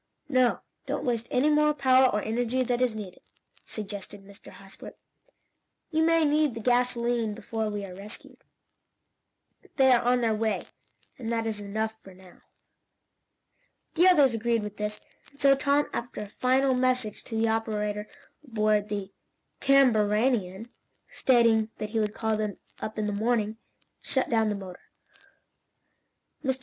"No, don't waste any more power or energy than is needed," suggested Mr. Hosbrook. "You may need the gasolene before we are rescued. They are on their way, and that is enough for now." The others agreed with this, and so Tom, after a final message to the operator aboard the CAMBARANIAN stating that he would call him up in the morning, shut down the motor. Mr.